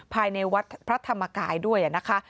ภายในวัดพระธรรมกายด้วยนะคะ